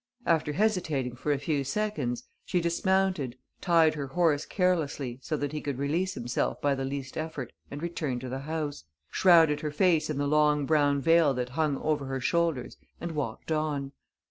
After hesitating for a few seconds, she dismounted, tied her horse carelessly, so that he could release himself by the least effort and return to the house, shrouded her face in the long brown veil that hung over her shoulders and walked on.